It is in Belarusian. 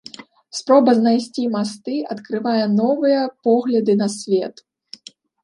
Спроба знайсці масты адкрывае новыя погляды на свет.